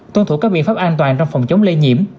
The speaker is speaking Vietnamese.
tuân thủ các biện pháp an toàn trong phòng chống lây nhiễm